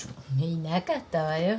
いなかったわよ。